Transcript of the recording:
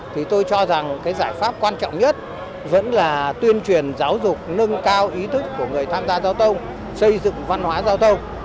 thì tôi cho rằng cái giải pháp quan trọng nhất vẫn là tuyên truyền giáo dục nâng cao ý thức của người tham gia giao thông xây dựng văn hóa giao thông